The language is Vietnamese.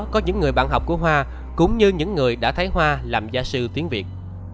có những người bạn học của hoa cũng như những người đã thấy hoa làm gia sư tiếng việt